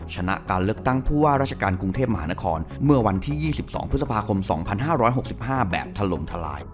ชนะการเลิกตั้งผู้ว่าราชการกรุงเทพมหานครเมื่อวันที่ยี่สิบสองพฤษภาคมสองพันห้าร้อยหกสิบห้าแบบทะลมทะลาย